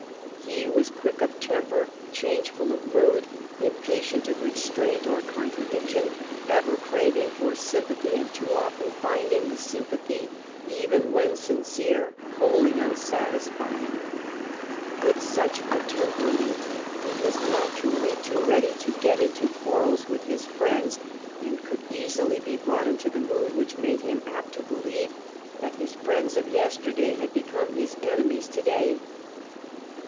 He was quick of temper, change ful of mood, impatient of restraint or contradiction, ever craving for sympathy, and too often finding the sympathy, even when sincere, wholly unsatisfying. With such a temperament he was naturally too ready to get into quarrels with his friends, and could easily be brought into the mood which made him apt to believe that his friends of yesterday had become his enemies to day.